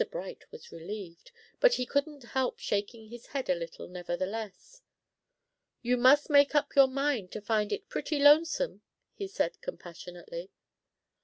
Bright was relieved; but he couldn't help shaking his head a little, nevertheless. "You must make up your mind to find it pretty lonesome," he said, compassionately.